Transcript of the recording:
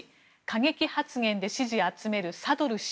１過激発言で支持集めるサドル師